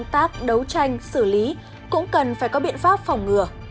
tăng xử lý cũng cần phải có biện pháp phòng ngừa